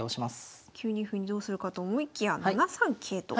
９二歩にどうするかと思いきや７三桂と。